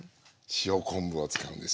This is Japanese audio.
塩昆布を使うんです。